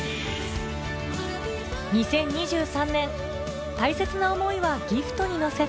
２０２３年大切な思いはギフトに乗せて